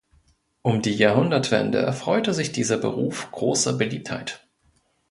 Um die Jahrhundertwende erfreute sich dieser Beruf großer Beliebtheit.